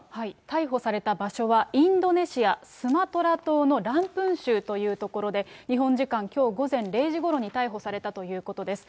逮捕された場所はインドネシア・スマトラ島のランプン州という所で、日本時間きょう午前０時ごろに逮捕されたということです。